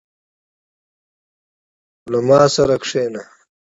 • له ما سره کښېنه.